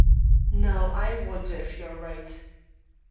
"Now I wonder if you are right."